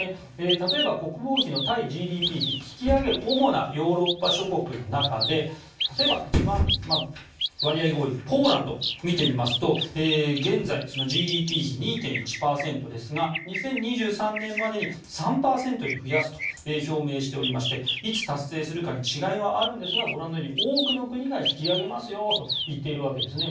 例えば、国防費の対ＧＤＰ比を引き上げる主なヨーロッパ諸国の中で例えば、一番割合が多いポーランドを見てみますと現在、ＧＤＰ比２．１％ですが２０２３年までに３％に増やすと表明しておりましていつ達成するかに違いはあるんですがご覧のように多くの国が引き上げますよと言っているわけなんですね。